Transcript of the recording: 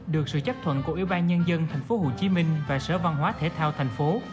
được sự chấp thuận của ybnd tp hcm và sở văn hóa thể thao thành phố